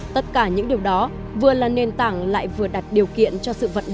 tất cả những điều đó vừa là nền tảng lại vừa đặt điều kiện cho các tầng lớp công chúng